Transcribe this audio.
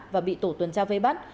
và bị tổ tuần tra vây bắt